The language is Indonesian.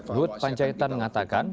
lut panjaitan mengatakan